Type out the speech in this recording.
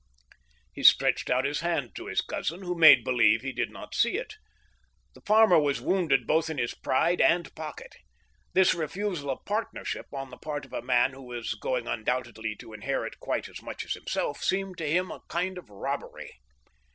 He stretched out his hand to his cousin, who made believe he did not see it. The farmer was wounded both in his pride and pocket. This refusal of partnership, on the part of a man who was 14 THE ^TEEL HAMMER, going undoubtedly to inherit quite as much as himself, seemed to him like a kind' of robbery.